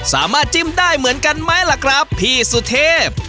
สามารถจิ้มได้เหมือนกันไหมล่ะครับพี่สุเทพ